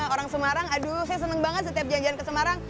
orang semarang aduh saya senang banget setiap jalan jalan ke semarang